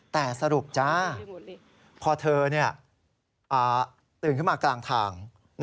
แต่สรุปจ้าพอเธอตื่นขึ้นมากลางทาง